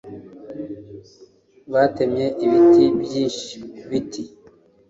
Batemye ibiti byinshi kubiti.